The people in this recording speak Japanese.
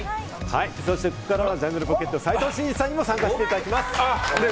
そしてここからはジャングルポケット・斉藤慎二さんにも参加していただきます。